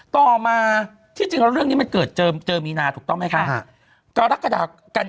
ต่อมาที่จริงแล้วเรื่องนี้มันเกิดเจอมีนาถูกต้องไหมคะ